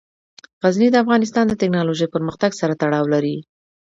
غزني د افغانستان د تکنالوژۍ پرمختګ سره تړاو لري.